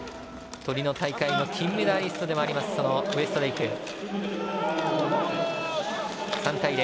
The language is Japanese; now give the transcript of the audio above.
トリノ大会の金メダリストウエストレイク。